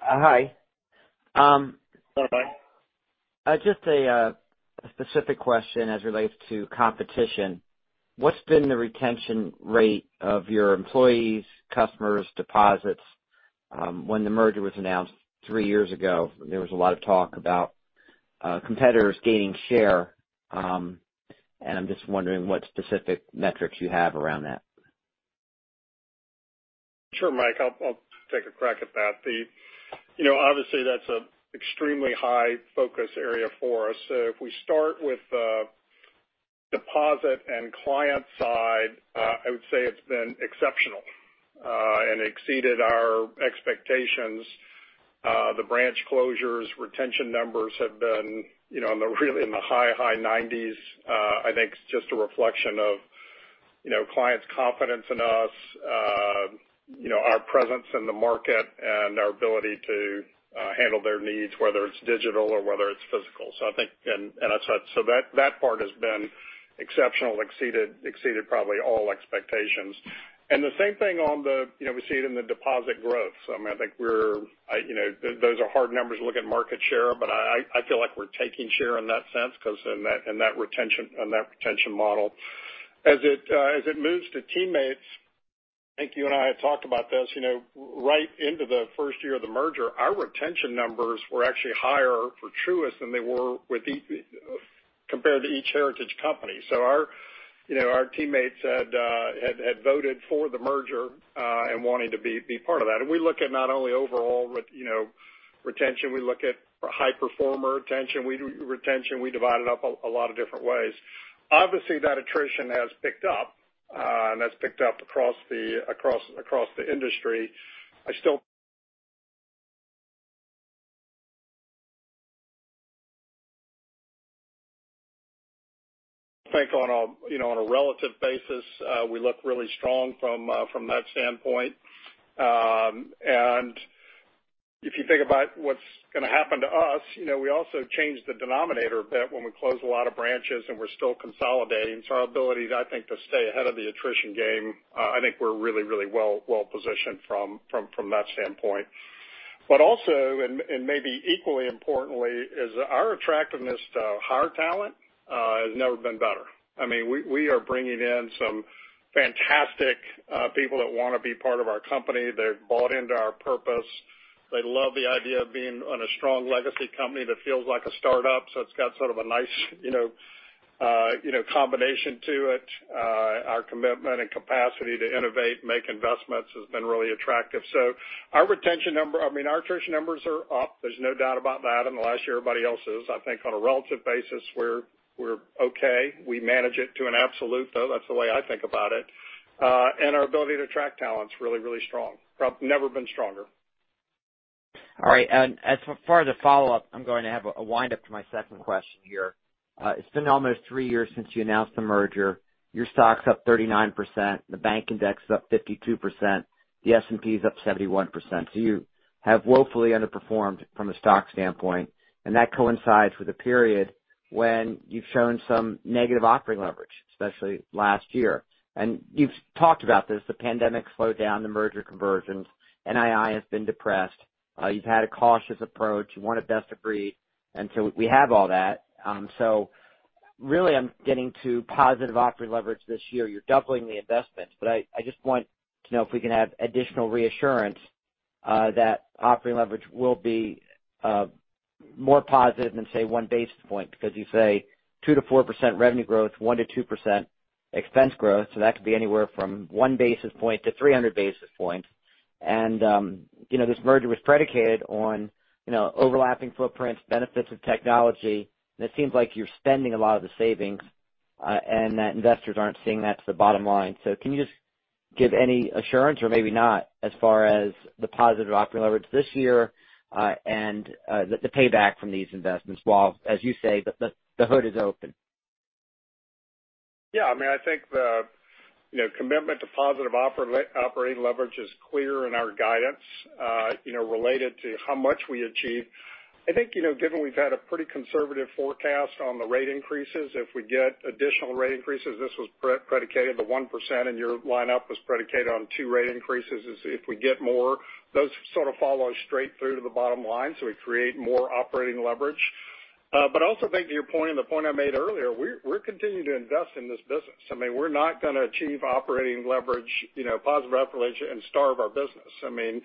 Hi. Go ahead, Mike. Just a specific question as it relates to competition. What's been the retention rate of your employees, customers, deposits? When the merger was announced three years ago, there was a lot of talk about competitors gaining share, and I'm just wondering what specific metrics you have around that. Sure, Mike, I'll take a crack at that. You know, obviously that's an extremely high focus area for us. If we start with the deposit and client side, I would say it's been exceptional and exceeded our expectations. The branch closures retention numbers have been, you know, in the high 90s%. I think it's just a reflection of, you know, clients' confidence in us, you know, our presence in the market and our ability to handle their needs, whether it's digital or whether it's physical. I think that's that. That part has been exceptional, exceeded probably all expectations. The same thing, you know, we see it in the deposit growth. I mean, I think we're, you know, those are hard numbers to look at market share, but I feel like we're taking share in that sense because in that retention model. As it moves to teammates, I think you and I have talked about this, you know, right into the first year of the merger, our retention numbers were actually higher for Truist than they were compared to each heritage company. Our, you know, teammates had voted for the merger and wanted to be part of that. We look at not only overall, you know, retention, we look at high performer retention, we do retention, we divide it up a lot of different ways. Obviously, that attrition has picked up, and that's picked up across the industry. I still think on a, you know, on a relative basis, we look really strong from that standpoint. If you think about what's gonna happen to us, you know, we also changed the denominator a bit when we closed a lot of branches and we're still consolidating. So our ability, I think, to stay ahead of the attrition game, I think we're really well-positioned from that standpoint. Maybe equally importantly, is our attractiveness to hire talent has never been better. I mean, we are bringing in some fantastic people that want to be part of our company. They're bought into our purpose. They love the idea of being on a strong legacy company that feels like a startup. It's got sort of a nice, you know, combination to it. Our commitment and capacity to innovate, make investments has been really attractive. Our retention number, I mean, our retention numbers are up, there's no doubt about that. In the last year, everybody else's. I think on a relative basis, we're okay. We manage it to an absolute, though. That's the way I think about it. Our ability to attract talent is really, really strong, never been stronger. All right. As for the follow-up, I'm going to have a wrap up to my second question here. It's been almost three years since you announced the merger. Your stock's up 39%, the bank index is up 52%, the S&P is up 71%. You have woefully underperformed from a stock standpoint, and that coincides with a period when you've shown some negative operating leverage, especially last year. You've talked about this, the pandemic slowed down the merger conversions. NII has been depressed. You've had a cautious approach. You want the best of breed, and we have all that. Really, I'm getting to positive operating leverage this year. You're doubling the investments. I just want to know if we can have additional reassurance that operating leverage will be more positive than, say, 1 basis point, because you say 2%-4% revenue growth, 1%-2% expense growth. That could be anywhere from 1 basis point to 300 basis points. You know, this merger was predicated on you know, overlapping footprints, benefits of technology. It seems like you're spending a lot of the savings and that investors aren't seeing that to the bottom line. Can you just give any assurance or maybe not as far as the positive operating leverage this year and the payback from these investments, while, as you say, the hood is open? Yeah, I mean, I think the, you know, commitment to positive operating leverage is clear in our guidance, you know, related to how much we achieve. I think, you know, given we've had a pretty conservative forecast on the rate increases, if we get additional rate increases, this was predicated. The 1% in your lineup was predicated on 2 rate increases. If we get more, those sort of follow straight through to the bottom line. So we create more operating leverage. But I also think to your point and the point I made earlier, we're continuing to invest in this business. I mean, we're not going to achieve operating leverage, you know, positive operating leverage and starve our business. I mean,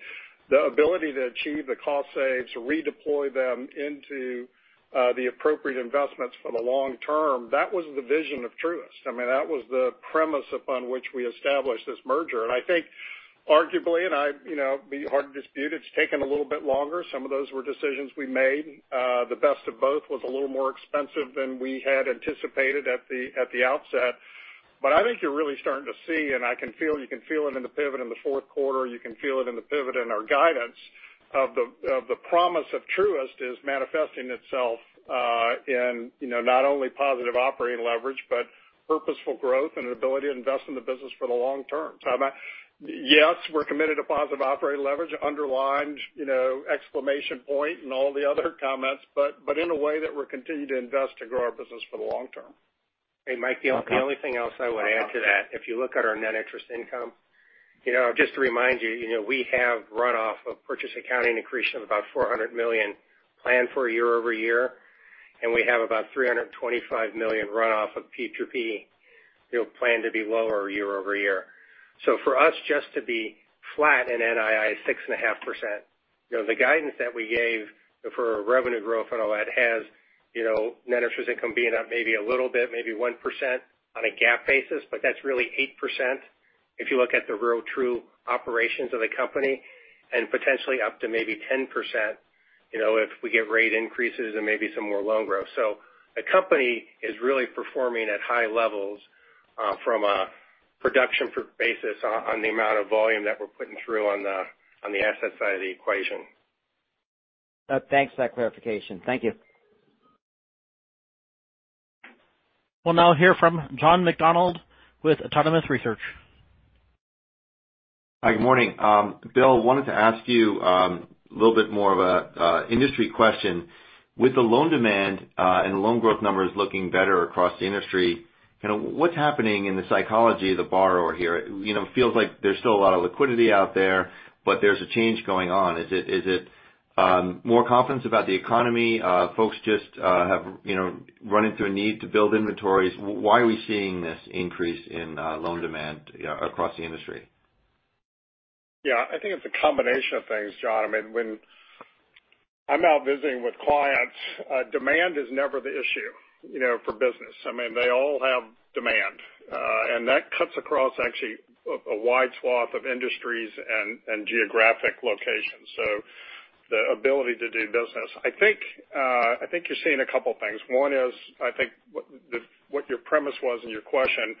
the ability to achieve the cost savings, redeploy them into the appropriate investments for the long term, that was the vision of Truist. I mean, that was the premise upon which we established this merger. I think arguably, and I'd, you know, be hard to dispute, it's taken a little bit longer. Some of those were decisions we made. The best of both was a little more expensive than we had anticipated at the outset. I think you're really starting to see and I can feel, you can feel it in the pivot in the fourth quarter, you can feel it in the pivot in our guidance of the promise of Truist is manifesting itself in, you know, not only positive operating leverage, but purposeful growth and an ability to invest in the business for the long term. I'm yes, we're committed to positive operating leverage, underlined, you know, exclamation point and all the other comments, but in a way that we're continuing to invest to grow our business for the long term. Hey, Mike, the only thing else I would add to that, if you look at our net interest income, you know, just to remind you know, we have runoff of purchase accounting increase of about $400 million planned for year-over-year, and we have about $325 million runoff of PPP, you know, planned to be lower year-over-year. For us just to be flat in NII is 6.5%. You know, the guidance that we gave for revenue growth and all that has, you know, net interest income being up maybe a little bit, maybe 1% on a GAAP basis, but that's really 8% if you look at the real true operations of the company, and potentially up to maybe 10%, you know, if we get rate increases and maybe some more loan growth. The company is really performing at high levels from a production per basis on the amount of volume that we're putting through on the asset side of the equation. Thanks for that clarification. Thank you. We'll now hear from John McDonald with Autonomous Research. Hi, good morning. Bill, I wanted to ask you a little bit more of an industry question. With the loan demand and loan growth numbers looking better across the industry, you know, what's happening in the psychology of the borrower here? You know, it feels like there's still a lot of liquidity out there, but there's a change going on. Is it more confidence about the economy? Folks just have you know a need to build inventories? Why are we seeing this increase in loan demand across the industry? Yeah, I think it's a combination of things, John. I mean, when I'm out visiting with clients, demand is never the issue, you know, for business. I mean, they all have demand, and that cuts across actually a wide swath of industries and geographic locations. So the ability to do business. I think you're seeing a couple of things. One is, I think what your premise was in your question,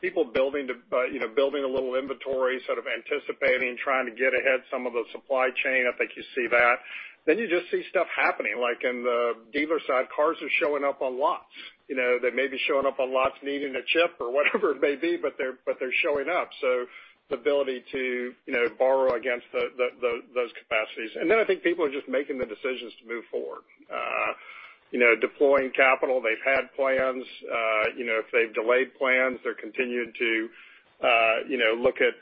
people building, you know, a little inventory, sort of anticipating, trying to get ahead some of the supply chain. I think you see that. Then you just see stuff happening, like in the dealer side, cars are showing up on lots. You know, they may be showing up on lots needing a chip or whatever it may be, but they're showing up. The ability to, you know, borrow against those capacities. I think people are just making the decisions to move forward. You know, deploying capital. They've had plans. You know, if they've delayed plans, they're continuing to, you know, look at,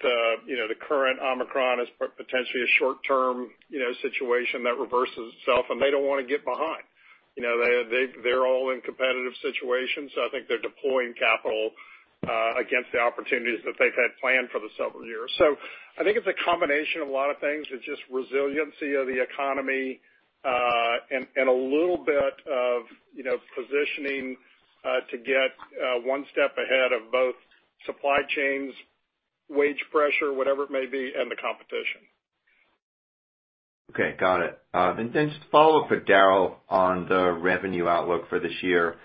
you know, the current Omicron as potentially a short term, you know, situation that reverses itself and they don't wanna get behind. You know, they're all in competitive situations. I think they're deploying capital against the opportunities that they've had planned for the several years. I think it's a combination of a lot of things. It's just resiliency of the economy and a little bit of, you know, positioning to get one step ahead of both supply chains, wage pressure, whatever it may be, and the competition. Okay. Got it. Just a follow-up for Daryl on the revenue outlook for this year.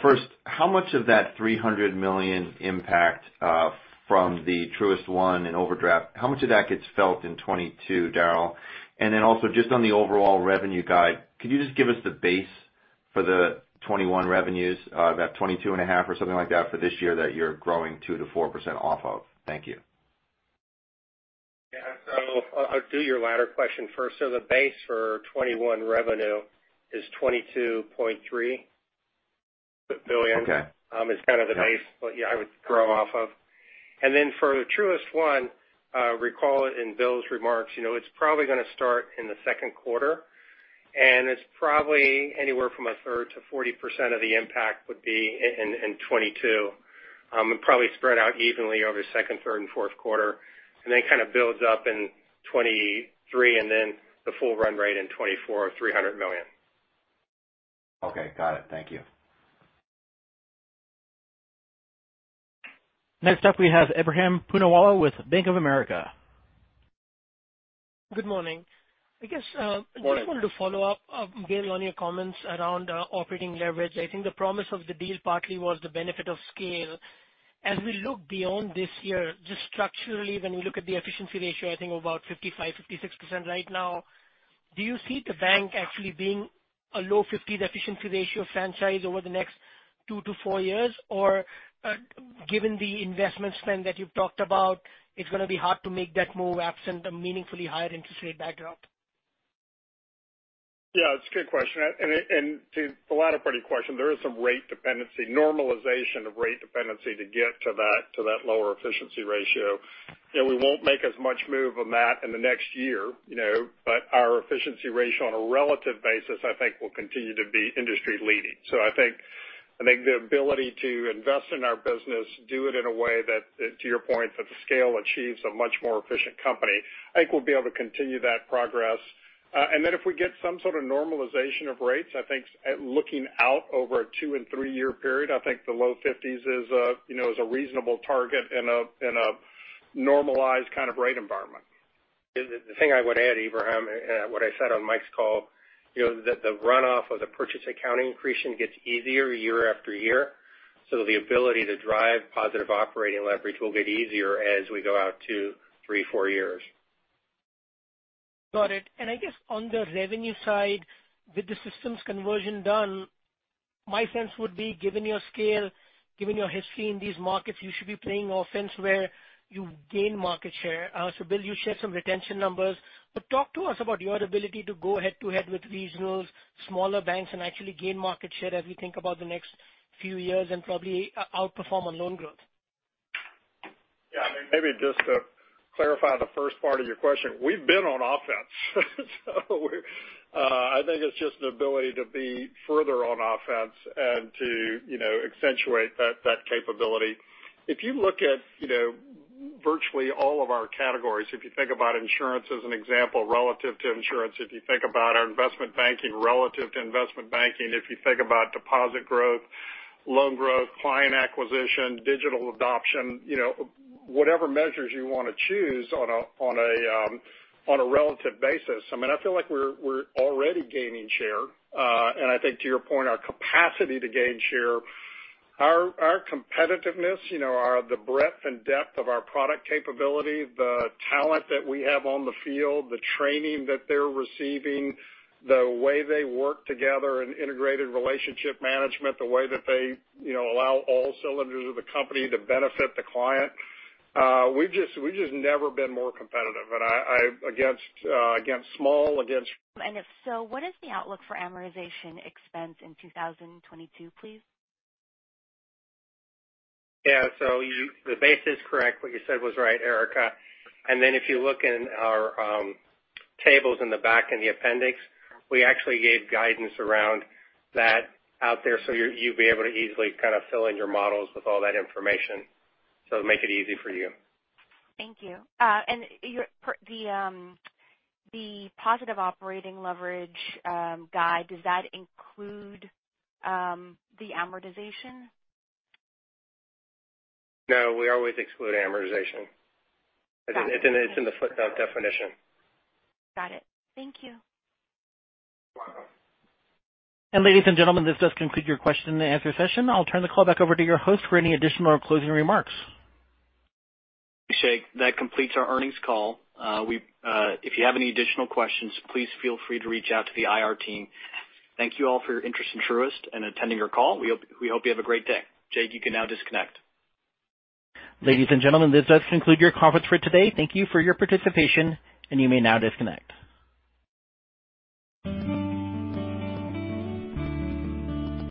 First, how much of that $300 million impact from the Truist One and overdraft gets felt in 2022, Daryl? Also just on the overall revenue guide, could you just give us the base for the 2021 revenues, that $22.5 billion or something like that for this year that you're growing 2%-4% off of? Thank you. Yeah. I'll do your latter question first. The base for 2021 revenue is $22.3 billion. Okay. It's kind of the base, yeah, I would grow off of. Then for Truist One, recall in Bill's remarks, you know, it's probably gonna start in the second quarter, and it's probably anywhere from a third to 40% of the impact would be in 2022, and probably spread out evenly over second, third and fourth quarter. Then kind of builds up in 2023 and then the full run rate in 2024, $300 million. Okay, got it. Thank you. Next up, we have Ebrahim Poonawala with Bank of America. Good morning. I guess, Morning. Just wanted to follow up, Bill, on your comments around operating leverage. I think the promise of the deal partly was the benefit of scale. As we look beyond this year, just structurally, when we look at the efficiency ratio, I think about 55%-56% right now. Do you see the bank actually being a low 50s efficiency ratio franchise over the next 2-4 years? Or, given the investment spend that you've talked about, it's gonna be hard to make that move absent a meaningfully higher interest rate backdrop? Yeah, it's a good question. To the latter part of your question, there is some rate dependency, normalization of rate dependency to get to that lower efficiency ratio. You know, we won't make as much move on that in the next year, you know. Our efficiency ratio on a relative basis, I think will continue to be industry leading. I think the ability to invest in our business, do it in a way that, to your point, that the scale achieves a much more efficient company, I think we'll be able to continue that progress. If we get some sort of normalization of rates, I think looking out over a 2 and 3-year period, I think the low 50s is a reasonable target in a normalized kind of rate environment. The thing I would add, Ebrahim, what I said on Mike's call, you know that the runoff of the purchase accounting accretion gets easier year after year. The ability to drive positive operating leverage will get easier as we go out 2, 3, 4 years. Got it. I guess on the revenue side, with the systems conversion done, my sense would be, given your scale, given your history in these markets, you should be playing offense where you gain market share. Bill, you shared some retention numbers, but talk to us about your ability to go head to head with regionals, smaller banks and actually gain market share as we think about the next few years and probably outperform on loan growth. Yeah, maybe just to clarify the first part of your question, we've been on offense. I think it's just an ability to be further on offense and to, you know, accentuate that capability. If you look at, you know, virtually all of our categories, if you think about insurance as an example, relative to insurance, if you think about our investment banking relative to investment banking, if you think about deposit growth, loan growth, client acquisition, digital adoption, you know, whatever measures you wanna choose on a relative basis. I mean, I feel like we're already gaining share. I think to your point, our capacity to gain share, our competitiveness, you know, the breadth and depth of our product capability, the talent that we have on the field, the training that they're receiving, the way they work together in integrated relationship management, the way that they, you know, allow all cylinders of the company to benefit the client, we've just never been more competitive against small, against. If so, what is the outlook for amortization expense in 2022, please? Yeah. The base is correct. What you said was right, Erika. Then if you look in our tables in the back in the appendix, we actually gave guidance around that out there so you'd be able to easily kind of fill in your models with all that information. It'll make it easy for you. Thank you. Per the positive operating leverage guide, does that include the amortization? No, we always exclude amortization. It's in the footnote definition. Got it. Thank you. Ladies and gentlemen, this does conclude your question and answer session. I'll turn the call back over to your host for any additional closing remarks. Thank you, Jake. That completes our earnings call. If you have any additional questions, please feel free to reach out to the IR team. Thank you all for your interest in Truist and attending our call. We hope you have a great day. Jake, you can now disconnect. Ladies and gentlemen, this does conclude your conference for today. Thank you for your participation and you may now disconnect.